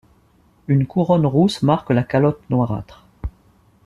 Une couronne rousse marque la calotte noirâtre.